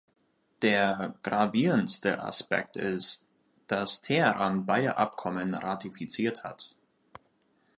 Der gravierendste Aspekt ist, dass Teheran beide Abkommen ratifiziert hat.